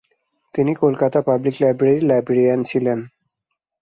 তিনি কলকাতা পাবলিক লাইব্রেরির লাইব্রেরিয়ান ছিলেন।